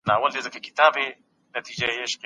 د ماشومانو پوښتنو ته په حوصله ځواب ورکړئ.